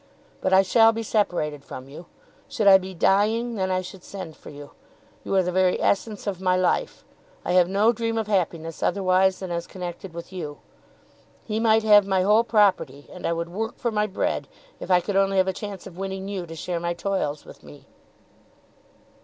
But I shall be separated from you. Should I be dying, then I should send for you. You are the very essence of my life. I have no dream of happiness otherwise than as connected with you. He might have my whole property and I would work for my bread, if I could only have a chance of winning you to share my toils with me."